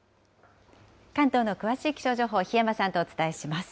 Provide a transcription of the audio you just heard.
関東の詳しい気象情報、檜山さんとお伝えします。